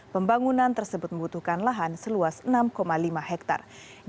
pembangunan tersebut membutuhkan lahan seluas enam lima hektare